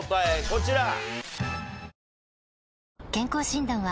こちら！